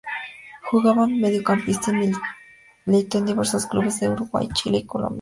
Jugaba de mediocampista y militó en diversos clubes de Uruguay, Chile y Colombia.